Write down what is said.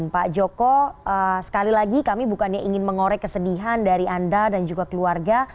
pak joko sekali lagi kami bukannya ingin mengorek kesedihan dari anda dan juga keluarga